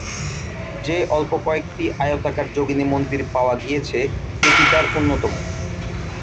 যে অল্প কয়েকটি আয়তাকার যোগিনী মন্দির পাওয়া গিয়েছে, এটি তার অন্যতম।